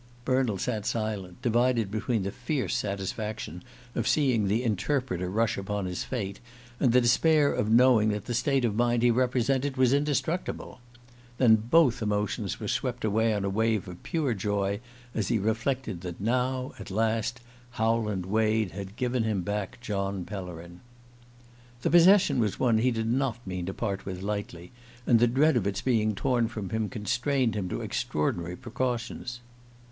Bernald sat silent, divided between the fierce satisfaction of seeing the Interpreter rush upon his fate, and the despair of knowing that the state of mind he represented was indestructible. Then both emotions were swept away on a wave of pure joy, as he reflected that now, at last, Howland Wade had given him back John Pellerin. The possession was one he did not mean to part with lightly; and the dread of its being torn from him constrained him to extraordinary precautions.